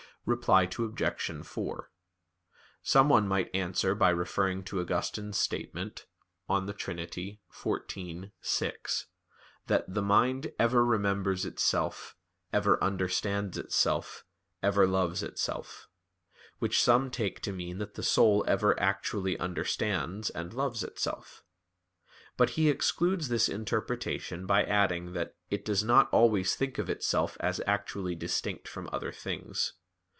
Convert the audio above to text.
Reply Obj. 4: Someone might answer by referring to Augustine's statement (De Trin. xiv, 6), that "the mind ever remembers itself, ever understands itself, ever loves itself"; which some take to mean that the soul ever actually understands, and loves itself. But he excludes this interpretation by adding that "it does not always think of itself as actually distinct from other things."